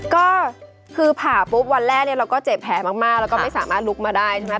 ก็คือผ่าปุ๊บวันแรกเนี่ยเราก็เจ็บแผลมากแล้วก็ไม่สามารถลุกมาได้ใช่ไหม